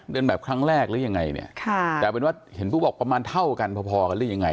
เดินแบบครั้งแรกหรือยังไงแต่เป็นว่าเห็นผู้บอกประมาณเท่ากันพอกันหรือยังไง